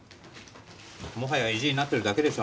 もはや意地になってるだけでしょ